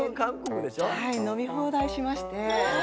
飲み放題しまして。